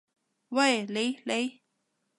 喂，你！你！